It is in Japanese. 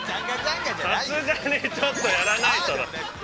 さすがにちょっと、やらないと。